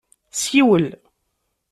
Siwel!